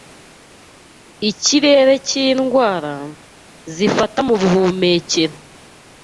ikirere cy’indwara, zifata mubuhumekero